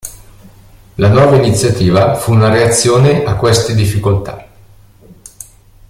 La nuova iniziativa fu una reazione a queste difficoltà.